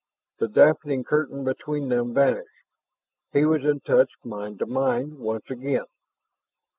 The dampening curtain between them vanished; he was in touch mind to mind once again.